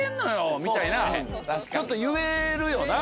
ちょっと言えるよな